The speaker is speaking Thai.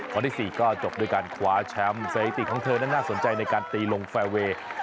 ที่๔ก็จบด้วยการคว้าแชมป์สถิติของเธอนั้นน่าสนใจในการตีลงแฟร์เวย์